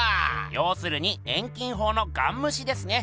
ようするに遠近法のガンむしですね。